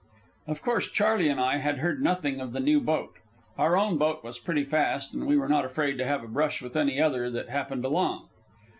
Of course Charley and I had heard nothing of the new boat. Our own boat was pretty fast, and we were not afraid to have a brush with any other that happened along.